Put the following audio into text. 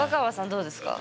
どうですか？